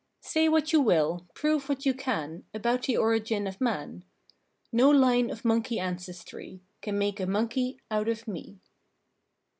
Say what you will, prove what you can, About the Origin of Man. No line of Monkey ancestry Can make a Monkey out of me.